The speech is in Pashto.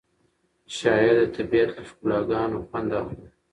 شاعر د طبیعت له ښکلاګانو خوند اخلي.